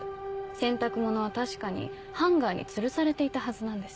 洗濯物は確かにハンガーにつるされていたはずなんです。